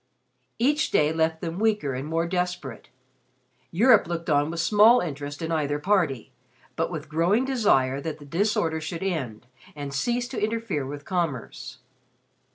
Each day left them weaker and more desperate. Europe looked on with small interest in either party but with growing desire that the disorder should end and cease to interfere with commerce.